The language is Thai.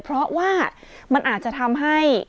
เพราะว่ามันอาจจะทำให้